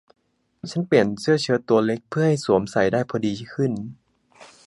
ฉันเปลี่ยนเสื้อเชิ้ตตัวเล็กเพื่อให้สวมใส่ได้พอดีขึ้น